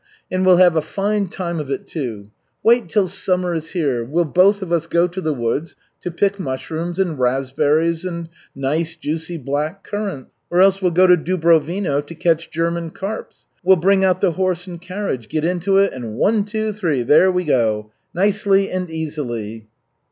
And we'll have a fine time of it, too. Wait till summer is here, we'll both of us go to the woods to pick mushrooms, and raspberries, and nice juicy black currants. Or else, we'll go to Dubrovino to catch German carps. We'll bring out the horse and carriage, get into it, and one, two, three there we go. Nicely and easily."